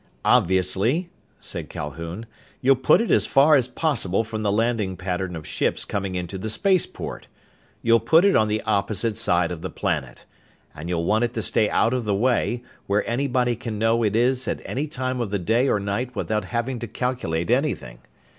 "Obviously," said Calhoun, "you'll put it as far as possible from the landing pattern of ships coming in to the spaceport. You'll put it on the opposite side of the planet. And you'll want it to stay out of the way, where anybody can know it is at any time of the day or night without having to calculate anything.